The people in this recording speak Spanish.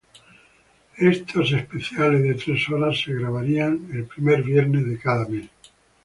Estos especiales de tres horas se grabarían el primer viernes de cada mes.